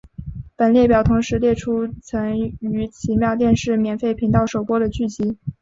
本列表同时列出曾于奇妙电视免费频道首播的剧集。